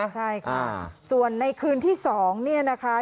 ใช่ค่ะส่วนในคืนที่๒เนี่ยนะคะ